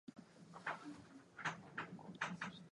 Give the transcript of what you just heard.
男が林の入り口に消えていったあと、車が走り去る音が聞こえた